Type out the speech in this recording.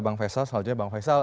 baik saya ke bang faisal